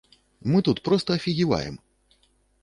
Мы тут проста афігеваем!